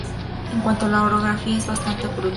En cuanto a la orografía es bastante abrupta.